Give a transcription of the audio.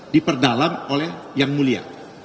diperdalam oleh yang mulia